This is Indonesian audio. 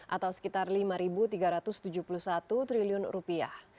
atau sekitar lima tiga ratus tujuh puluh satu triliun rupiah